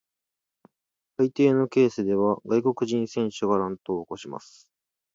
大抵のケースでは外国人選手が乱闘を起こします。